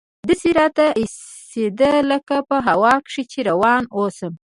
داسې راته اېسېده لکه په هوا کښې چې روان اوسم.